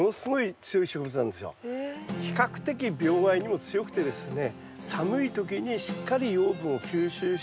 比較的病害にも強くてですね